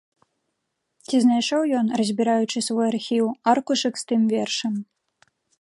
Ці знайшоў ён, разбіраючы свой архіў, аркушык з тым вершам?